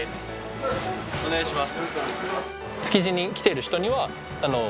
お願いします。